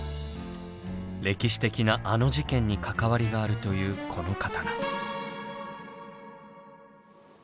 歴史的なあの事件に関わりがあるというこの刀。